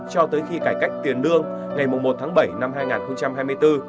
cho tới khi cải cách tiền lương ngày một tháng bảy năm hai nghìn hai mươi bốn